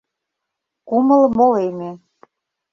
Кумыл молеме.